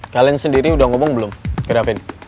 kalian sendiri udah ngomong belum ke davin